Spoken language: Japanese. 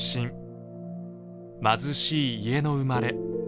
貧しい家の生まれ。